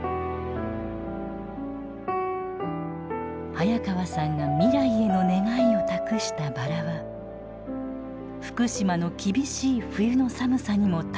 早川さんが未来への願いを託したバラは福島の厳しい冬の寒さにも耐えながら固いつぼみを膨らませています。